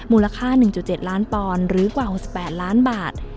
มูลค่า๑๗ล้านปอนด์หรือกว่า๖๘ล้านบาท